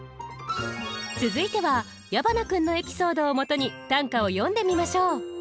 続いては矢花君のエピソードをもとに短歌を詠んでみましょう。